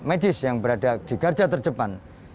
medis yang berada di garda terdepan